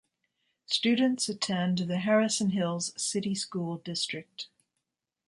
Students attend the Harrison Hills City School District.